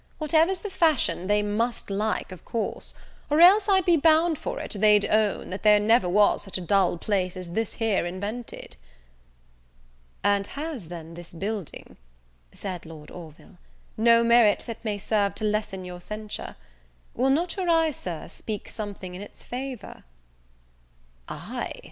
Whatever's the fashion, they must like, of course; or else, I'd be bound for it, they'd own, that there never was such a dull place as this here invented." "And has, then, this building," said Lord Orville, "no merit that may serve to lessen your censure? Will not your eye, Sir, speak something in its favour?" "Eye!"